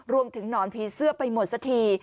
หนอนผีเสื้อไปหมดสักที